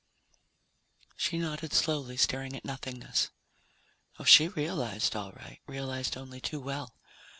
She nodded slowly, staring at nothingness. Oh, she realized, all right, realized only too well.